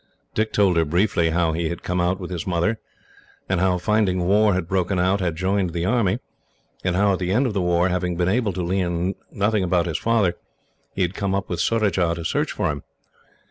Dick told her, briefly, how he had come out with his mother; and how, finding war had broken out, he had joined the army; and how, at the end of the war, having been able to learn nothing about his father, he had come up with Surajah to search for him.